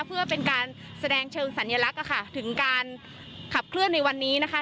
เพื่อเป็นการแสดงเชิงสัญลักษณ์ถึงการขับเคลื่อนในวันนี้นะคะ